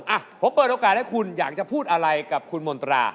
อ่ะผมเปิดโอกาสให้คุณอยากจะพูดอะไรกับคุณมนตรา